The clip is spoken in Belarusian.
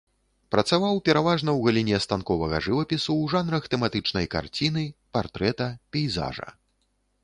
Працаваў пераважна ў галіне станковага жывапісу ў жанрах тэматычнай карціны, партрэта, пейзажа.